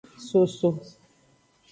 Soso.